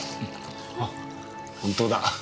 あ本当だ。